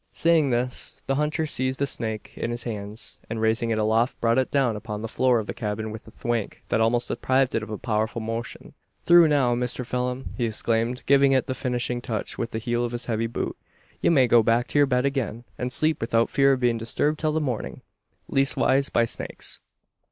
Saying this, the hunter seized the snake in his hands; and, raising it aloft, brought it down upon the floor of the cabin with a "thwank" that almost deprived it of the power of motion. "Thru now, Mister Pheelum!" he exclaimed, giving it the finishing touch with the heel of his heavy boot, "ye may go back to yur bed agin, an sleep 'ithout fear o' bein' disturbed till the mornin' leastwise, by snakes."